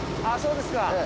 あっそうですか。